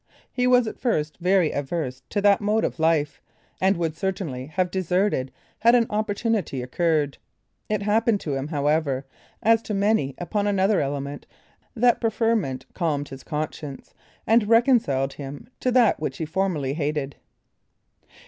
He was at first very averse to that mode of life, and would certainly have deserted, had an opportunity occurred. It happened to him, however, as to many upon another element, that preferment calmed his conscience, and reconciled him to that which he formerly hated.